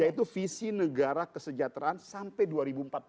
yaitu visi negara kesejahteraan sampai dua ribu empat puluh lima